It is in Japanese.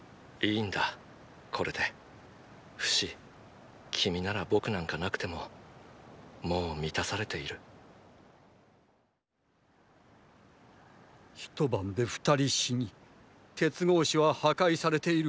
フシ君なら僕なんか無くてももう満たされている一晩で二人死に鉄格子は破壊されている。